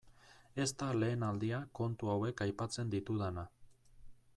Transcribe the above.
Ez da lehen aldia kontu hauek aipatzen ditudana.